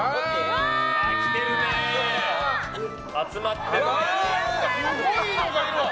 すごいのがいる。